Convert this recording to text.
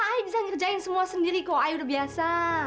ayah bisa ngerjain semua sendiri kok ayah udah biasa